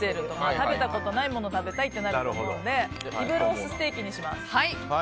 食べたことないものを食べたいってなると思うのでリブロースステーキにします。